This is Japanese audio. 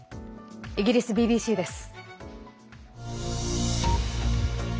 イギリスＢＢＣです。